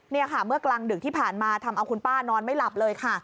นี่ค่ะเมื่อกลางดึกที่ผ่านมาทำเอาคุณป้านอนไม่หลับเลยค่ะ